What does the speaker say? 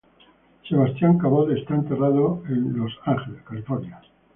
Sebastian Cabot está enterrado en el de Los Ángeles, California.